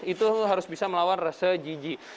itu harus bisa melawan rasa jijik